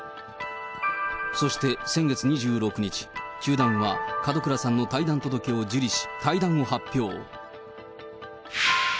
そして先月２６日、球団は門倉さんの退団届を受理し、退団を発表。